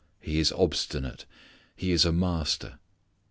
He is obstinate. He is a master.